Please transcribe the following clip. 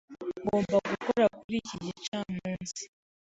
Ngomba gukora kuri iki gicamunsi.